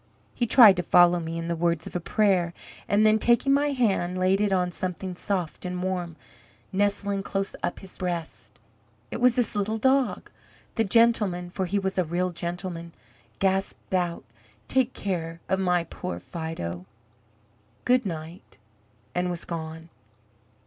He tried to follow me in the words of a prayer, and then, taking my hand, laid it on something soft and warm, nestling close up to his breast it was this little dog. The gentleman for he was a real gentleman gasped out, 'Take care of my poor Fido; good night,' and was gone.